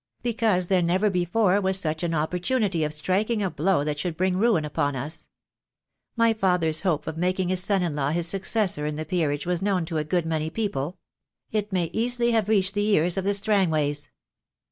"Because there never before was such an opportunity of striking a blow that should bring ruin upon us. My father's hope of making his son in law his successor in the peerage was known to a good many people. It may easily have reached the ears of the Strangways."